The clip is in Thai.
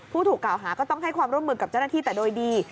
ผู้ถูกกล่าวหาก็ต้องให้ความร่วมมือกับเจ้าหน้าที่แต่โดยดี